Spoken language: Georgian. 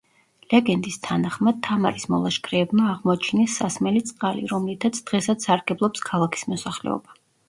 ლეგენდის თანახმად, თამარის მოლაშქრეებმა აღმოაჩინეს სასმელი წყალი, რომლითაც დღესაც სარგებლობს ქალაქის მოსახლეობა.